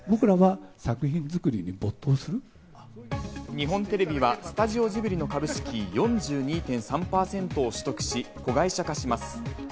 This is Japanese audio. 日本テレビはスタジオジブリの株式４２．３％を取得し、子会社化します。